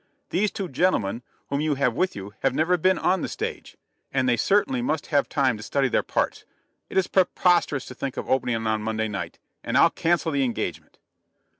These two gentlemen, whom you have with you, have never been on the stage, and they certainly must have time to study their parts. It is preposterous to think of opening on Monday night, and I'll cancel the engagement."